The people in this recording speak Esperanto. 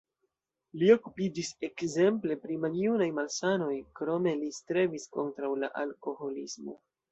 Li okupiĝis ekzemple pri maljunaj malsanoj, krome li strebis kontraŭ la alkoholismo.